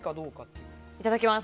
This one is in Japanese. いただきます。